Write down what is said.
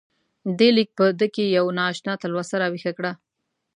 دې لیک په ده کې یوه نا اشنا تلوسه راویښه کړه.